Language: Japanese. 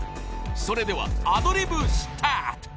［それではアドリブスタート］